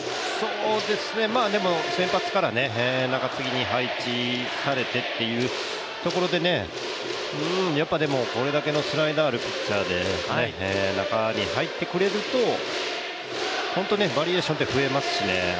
先発から中継ぎに配置されてっていうところでやっぱ、でもこれだけのスライダーがあるピッチャーで中に入ってくれると本当バリエーションって増えますしね。